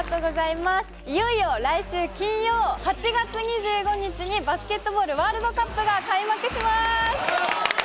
いよいよ来週金曜、８月２５日にバスケットボールワールドカップが開幕します！